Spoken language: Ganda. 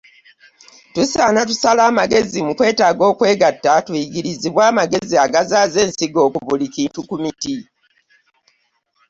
Tusaana tusale amagezi mu kwetaaga okwegatta tuyigirizibwe amagezi agazaaza ensigo ku buli kintu ku miti.